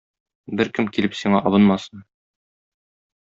Беркем килеп сиңа абынмасын.